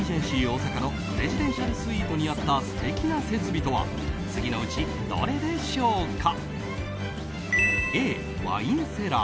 大阪のプレジデンシャルスイートにあった素敵な設備とは次のうちどれでしょうか。